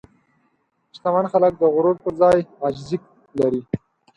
شتمن خلک د غرور پر ځای عاجزي لري.